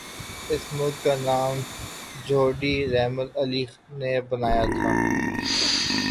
اس ملک کا نام چوہدری رحمت علی نے بنایا تھا۔